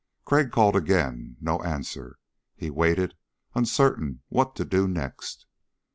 Crag called again. No answer. He waited, uncertain what to do next.